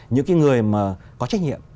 những người có trách nhiệm